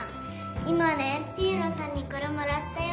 今ねピエロさんにこれもらったよ。